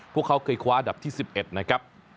พวกเขาเคยคว้าอันดับที่๑๑นะครับ